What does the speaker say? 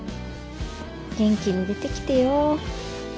元気に出てきてよ。